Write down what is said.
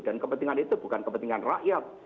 dan kepentingan itu bukan kepentingan rakyat